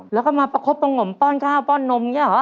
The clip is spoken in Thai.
แล้วก็มาประคบประงมป้อนข้าวป้อนนมอย่างนี้เหรอ